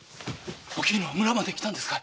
おきぬは村まで来たんですか